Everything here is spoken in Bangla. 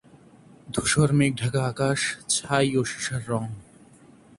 ধূসর মেঘ-ঢাকা আকাশ, ছাই ও সীসার রঙ।